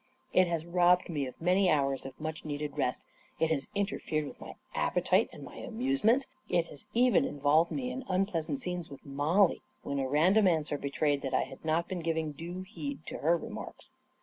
It has robbed me of many hours of much needed rest; it has interfered with my appetite and my amusements; it has even in volved me in unpleasant scenes with Mollie, when a random answer betrayed that I had not been giv ing due heed to her remarks.